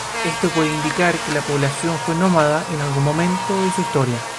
Esto puede indicar que la población fue nómada en algún momento de su historia.